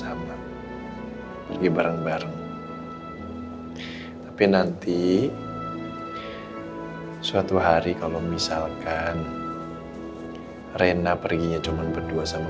sama pergi bareng bareng tapi nanti suatu hari kalau misalkan rena perginya cuman berdua sama